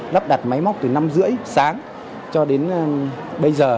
lắp đặt máy móc từ năm rưỡi sáng cho đến bây giờ